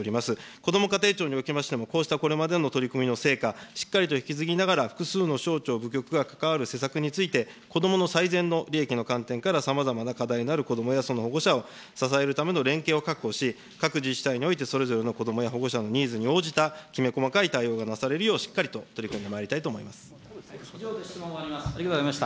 こども家庭庁におきましても、こうしたこれまでの取り組みの成果、しっかりと引き継ぎながら、複数の省庁、部局が関わる施策について、こどもの最善の利益の観点からさまざまな課題のあるこどもやその保護者を支えるための連携を確保し、各自治体においてそれぞれのこどもや保護者のニーズに応じたきめ細かい対応がなされるよう、しっかりと取り組んでまいり以上で質問を終わります。